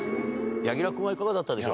柳楽君はいかがだったでしょ